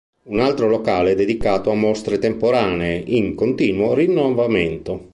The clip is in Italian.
Un altro locale è dedicato a mostre temporanee, in continuo rinnovamento.